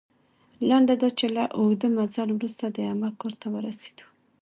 لنډه دا چې، له اوږده مزل وروسته د عمه کور ته ورسېدو.